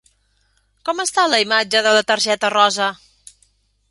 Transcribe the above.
Com està la imatge de la targeta rosa?